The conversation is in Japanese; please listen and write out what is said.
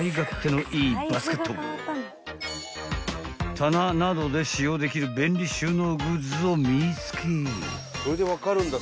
［棚などで使用できる便利収納グッズを見つけ］